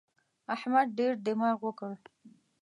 احمد ډېر دماغ وکړ.